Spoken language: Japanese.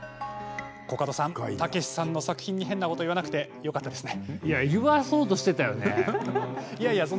コカドさん、たけしさんの作品に変なこと言わなくてよかったですね。